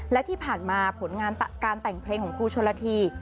และที่ผ่านมาผลงานการแต่งเพลงของครูชนละที